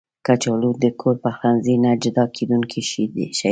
کچالو د کور پخلنځي نه جدا کېدونکی شی دی